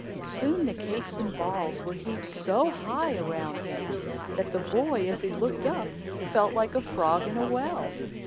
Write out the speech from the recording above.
Soon the cakes and balls were heaped so high around him that the boy, as he looked up, felt like a frog in a well.